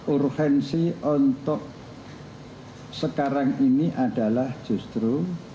urgensi untuk sekarang ini adalah justru